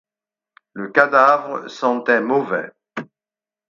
Le cadavre sentait mauvais.